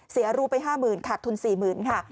เสียรู้ไปห้าหมื่นขาดทุนสี่หมื่น